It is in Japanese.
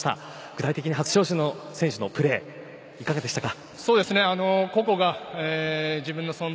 具体的に初招集の選手のプレーいかがでしたか？